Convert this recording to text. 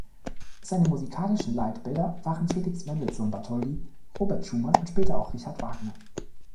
Seine musikalischen Leitbilder waren Felix Mendelssohn Bartholdy, Robert Schumann und später auch Richard Wagner.